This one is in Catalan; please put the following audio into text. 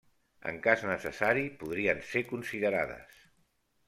En cas necessari, podrien ser considerades.